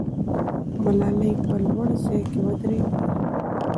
ملالۍ په لوړ ځای کې ودرېږي.